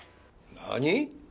何？